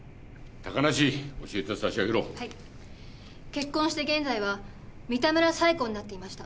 結婚して現在は三田村冴子になっていました。